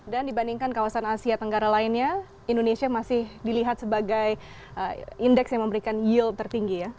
dan dibandingkan kawasan asia tenggara lainnya indonesia masih dilihat sebagai indeks yang memberikan yield tertinggi ya